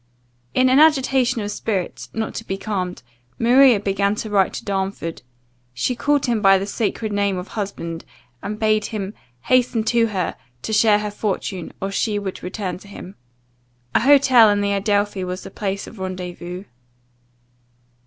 In an agitation of spirit, not to be calmed, Maria began to write to Darnford. She called him by the sacred name of "husband," and bade him "hasten to her, to share her fortune, or she would return to him." An hotel in the Adelphi was the place of rendezvous.